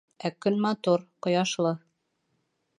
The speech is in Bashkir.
Ә көн матур, ҡояшлы.